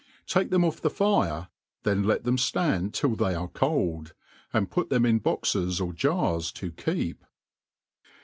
Take them ofF the fire, then let them fiand till they are cold, and put them in boxes or jars IQ keep.